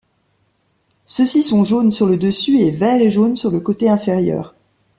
Ceux-ci sont jaunes sur le dessus et vert et jaune sur le côté inférieur.